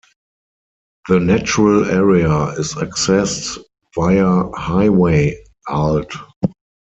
The natural area is accessed via Highway Alt.